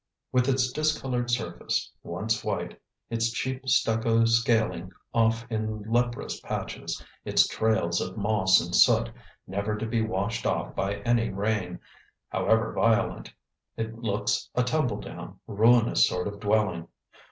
With its discoloured surface, once white, its cheap stucco scaling off in leprous patches, its trails of moss and soot, never to be washed off by any rain, however violent, it looks a tumbledown, ruinous sort of dwelling.